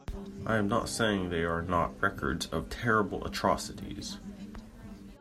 I am not saying they are not records of terrible atrocities.